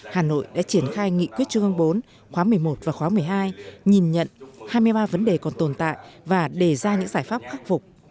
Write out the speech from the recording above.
hà nội đã triển khai nghị quyết trung ương bốn khóa một mươi một và khóa một mươi hai nhìn nhận hai mươi ba vấn đề còn tồn tại và đề ra những giải pháp khắc phục